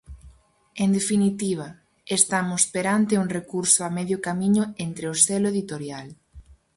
En definitiva, estamos perante un recurso a medio camiño entre o selo editorial.